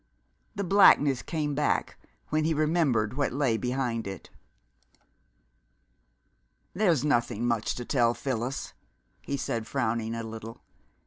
The blackness came back when he remembered what lay behind it. "There's nothing much to tell, Phyllis," he said, frowning a little.